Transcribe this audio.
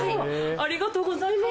ありがとうございます。